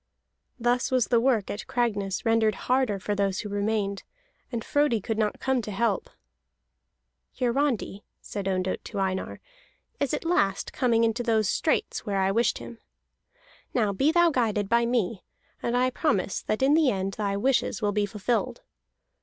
Thus was the work at Cragness rendered harder for those who remained, and Frodi could not come to help. "Hiarandi," said Ondott to Einar, "is at last coming into those straits where I wished him. Now be thou guided by me, and I promise that in the end thy wishes will be fulfilled.